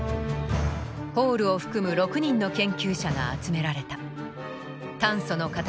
ホールを含む６人の研究者が集められた。